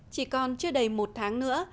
chỉ còn chưa đầy một tháng nữa